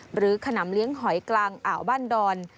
ขนำเลี้ยงหอยกลางอ่าวบ้านดอน